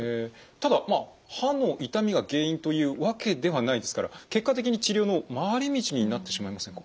ただまあ歯の痛みが原因というわけではないですから結果的に治療の回り道になってしまいませんか？